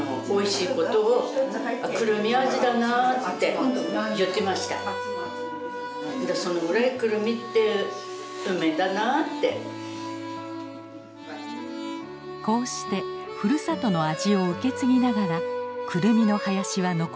こうしてふるさとの味を受け継ぎながらクルミの林は残されてきたのです。